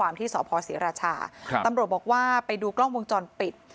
สีรัชาตำรถบอกว่าไปดูกล้องวงจรปิด